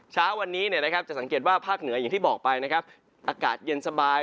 เช้าวันนี้จะสังเกตว่าภาคเหนืออากาศเย็นสบาย